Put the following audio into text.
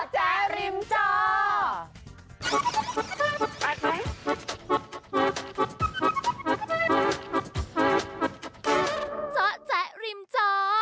เจ้าแจ๊กริมจอ